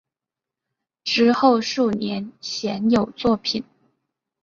之后数年鲜有作品。